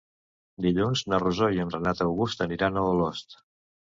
Dilluns na Rosó i en Renat August aniran a Olost.